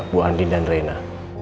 bu andin dan rena